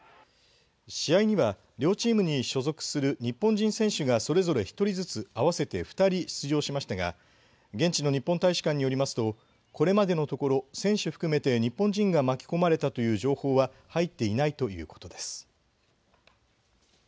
試合には両チームに所属する日本人選手がそれぞれ１人ずつ合わせて２人出場しましたが現地の日本大使館によりますとこれまでのところ選手含めて日本人が巻き込まれたという情報は入っていないということです。